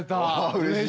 うれしい。